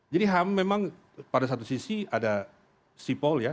jadi ham memang pada satu sisi ada sipol ya